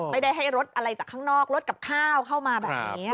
ไม่ได้ให้รถอะไรจากข้างนอกรถกับข้าวเข้ามาแบบนี้